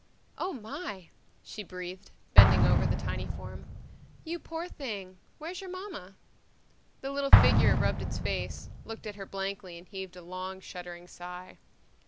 "Oh, my!" she breathed, bending over the tiny form. "You poor thing. Where's your mama?" The little figure rubbed its face, looked at her blankly and heaved a long, shuddering sigh.